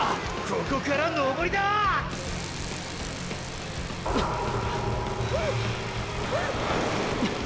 ここから登りだ！っ！